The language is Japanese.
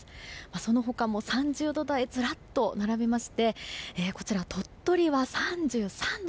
その他も３０度台がずらっと並びまして鳥取は３３度。